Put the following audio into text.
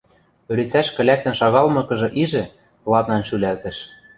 Ӧлицӓшкӹ лӓктӹн шагалмыкыжы ижӹ, ладнан шӱлӓлтӹш.